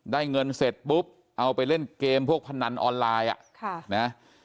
ได้เงินเสร็จปุ๊บเอาไปเล่นเกมพวกพนันออนไลน์